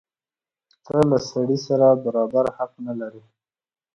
ته له سړي سره برابر حق نه لرې.